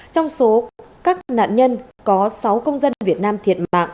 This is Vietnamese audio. trong số các nạn nhân có sáu công dân việt nam thiệt mạng